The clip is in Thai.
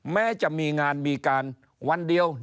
แม้จะมีงานมีการวันเดียว